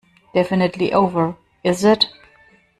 Definitely over, is it?